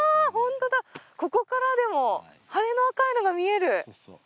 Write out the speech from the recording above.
ここからでも、羽の赤いのが見える。